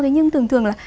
thế nhưng thường thường là